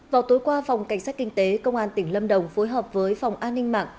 vào tối qua phòng cảnh sát kinh tế công an tỉnh lâm đồng phối hợp với phòng an ninh mạng